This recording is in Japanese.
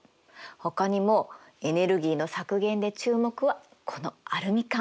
ほかにもエネルギーの削減で注目はこのアルミ缶。